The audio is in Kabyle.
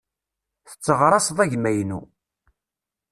Tetteɣraṣeḍ agma-inu.